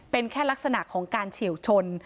เป็นแค่ลักษณะของการเฉียวชน